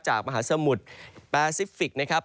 มหาสมุทรแปซิฟิกนะครับ